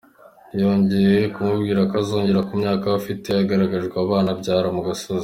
Yongeye kumubwira ko azagera ku myaka we afite yaragwije abana abyara mu gasozi.